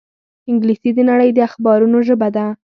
انګلیسي د نړۍ د اخبارونو ژبه ده